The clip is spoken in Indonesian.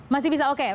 masih bisa oke